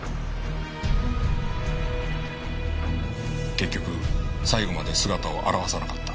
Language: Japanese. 結局最後まで姿を現さなかった。